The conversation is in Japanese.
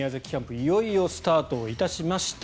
いよいよスタートいたしました。